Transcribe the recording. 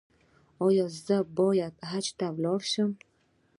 ایا زه باید حج ته لاړ شم؟